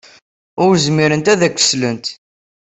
Ur zmirent ad ak-slent.